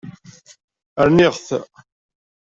Rniɣ-t.